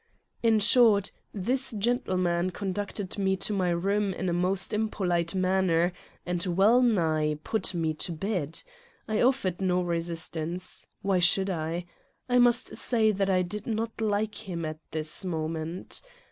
In short, this gentleman conducted, me to my room in a most impolite manner and well nigh put me to bed. I offered no resistance : why should I? I must say that I did not like him at this moment.